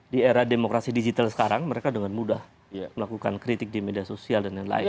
di era demokrasi digital sekarang mereka dengan mudah melakukan kritik di media sosial dan lain lain